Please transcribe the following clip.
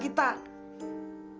dia itu gak pantas